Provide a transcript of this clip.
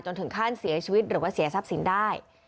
ถึงขั้นเสียชีวิตหรือว่าเสียทรัพย์สินได้